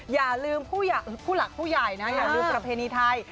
อย่าลืมผู้หลักผู้ใหญ่นะอย่าลืมประเพณีไทย